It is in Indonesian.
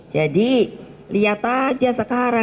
jadi lihat aja sekarang